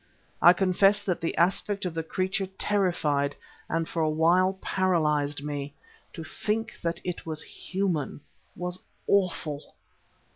I confess that the aspect of the creature terrified and for a while paralysed me; to think that it was human was awful.